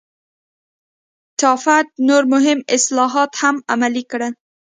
ټافت نور مهم اصلاحات هم عملي کړل.